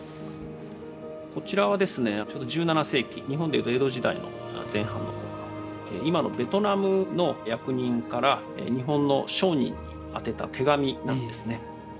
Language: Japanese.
こちらは１７世紀日本で言うと江戸時代の前半の頃今のベトナムの役人から日本の商人に宛てた手紙なんですね。